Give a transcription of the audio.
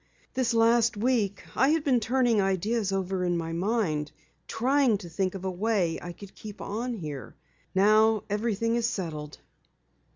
This last week I had been turning ideas over in my mind, trying to think of a way I could keep on here. Now everything is settled."